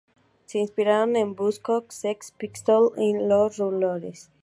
Se inspiraron en Buzzcocks, Sex Pistols, y los Ramones.